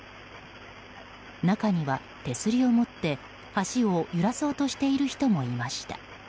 中には手すりを持って橋を揺らそうとしている人もいました。